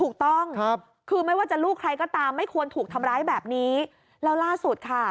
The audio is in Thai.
ถูกต้องครับคือไม่ว่าจะลูกใครก็ตามไม่ควรถูกทำร้ายแบบนี้แล้วล่าสุดค่ะ